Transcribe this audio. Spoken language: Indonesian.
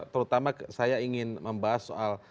terutama saya ingin membahas soal